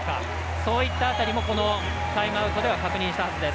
そういった辺りもこのタイムアウトでは確認したはずです。